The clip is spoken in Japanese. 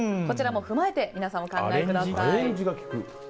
こちらも踏まえて皆さん、お考えください。